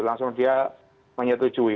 langsung dia menyetujui